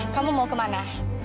kamu mau kemana